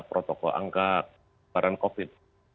protokol angka varian covid